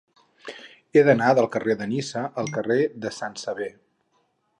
He d'anar del carrer de Niça al carrer de Sant Sever.